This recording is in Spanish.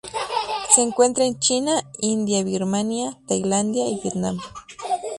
Se encuentra en China, India Birmania, Tailandia y Vietnam.